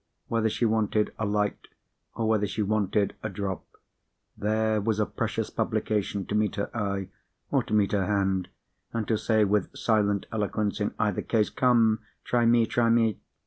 Whether she wanted a light, or whether she wanted a drop, there was a precious publication to meet her eye, or to meet her hand, and to say with silent eloquence, in either case, "Come, try me! try me!"